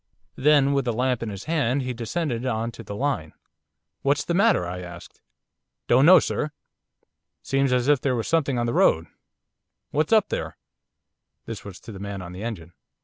Then, with a lamp in his hand, he descended on to the line. 'What's the matter?' I asked. 'Don't know, sir. Seems as if there was something on the road. What's up there?' This was to the man on the engine.